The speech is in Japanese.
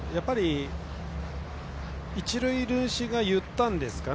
一塁塁審が言ったんですかね。